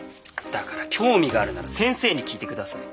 だから興味があるなら先生に聞いて下さい。